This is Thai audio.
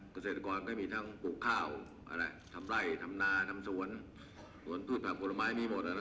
เกษตรกรก็มีทั้งปลูกข้าวอะไรทำไร่ทำนาทำสวนสวนผักผลไม้มีหมด